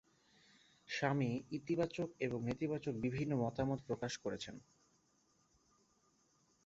স্বামী ইতিবাচক এবং নেতিবাচক বিভিন্ন মতামত প্রকাশ করেছেন।